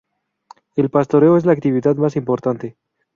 El pastoreo es la actividad más importante.